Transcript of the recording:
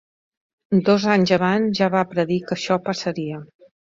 Dos anys abans ja va predir que això passaria.